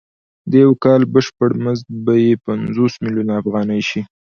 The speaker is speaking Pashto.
د یو کال بشپړ مزد به یې پنځوس میلیونه افغانۍ شي